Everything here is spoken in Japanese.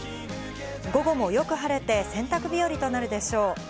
午後もよく晴れて洗濯日和となるでしょう。